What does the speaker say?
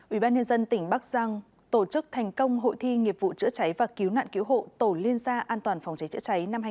ủy ban nhân dân tỉnh bắc giang tổ chức thành công hội thi nghiệp vụ chữa trái và cứu nạn cứu hộ tổ liên gia an toàn phòng trái chữa trái năm hai nghìn hai mươi bốn